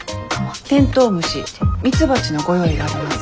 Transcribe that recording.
テントウムシミツバチのご用意があります。